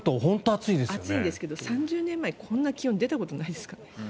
暑いんですが３０年前こんな気温出たことないですから。